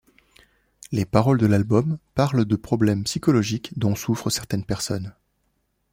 Les paroles de l'album parlent de problèmes psychologiques dont souffrent certaines personnes.